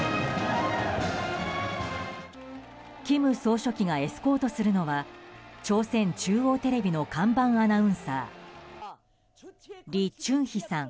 金総書記がエスコートするのは朝鮮中央テレビの看板アナウンサーリ・チュンヒさん。